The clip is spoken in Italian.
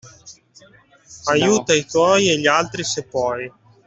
Aiuta i tuoi e gli altri se puoi.